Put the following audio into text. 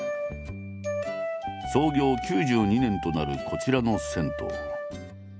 創業９２年となるこちらの銭湯。